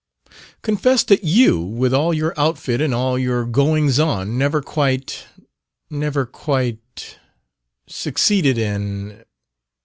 Confess that you, with all your outfit and all your goings on, never quite never quite succeeded in..."